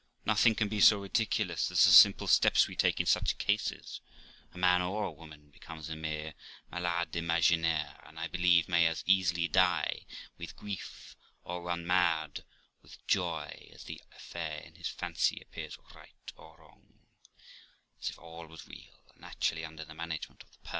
Nothing can be so ridiculous as the simple steps we take in such cases; a man or a woman becomes a mere malade imaginaire, and, I believe, may as easily die with grief, or run mad with joy (as the affair in his fancy appears right or wrong ) as if all was real, and actually under the management of the person.